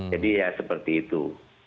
jadi ya seperti itu